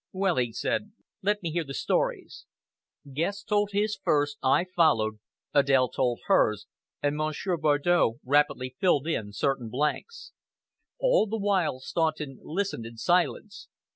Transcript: "Well," he said, "let me hear the stories." Guest told his first, I followed, Adèle told hers, and Monsieur Bardow rapidly filled in certain blanks. All the while Staunton listened in silence.